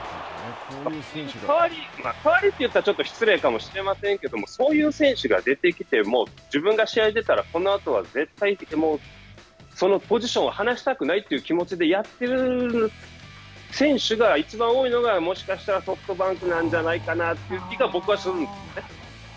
かわりといったらちょっと失礼かもしれませんけれどもそういう選手が出てきも自分が試合に出たらこのあとは絶対、そのポジションを離したくないという気持ちでやってる選手がいちばん多いのがもしかしたらソフトバンクなんじゃないかなという気が僕はするんですね。